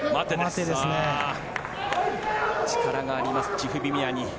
力がありますチフビミアニ。